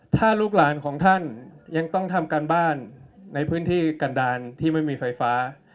ถ้าลูกหลานของท่านยังต้องทำการบ้านในพื้นที่กันดานที่ไม่มีไฟฟ้า